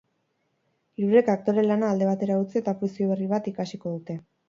Hirurek aktore lana alde batera utzi eta ofizio berri bat ikasiko dute.